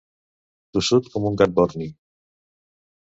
Tossut com un gat borni.